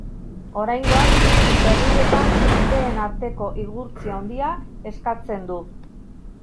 Oraingoak herrietan jendeen arteko igurtzi handia eskatzen du.